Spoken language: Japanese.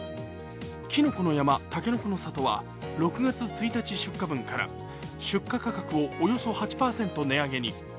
きのこの山、たけのこの里は６月１日出荷分から出荷価格をおよそ８％値上げに。